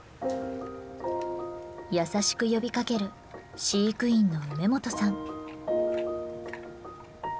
優しく呼びかける飼育員の梅元さん。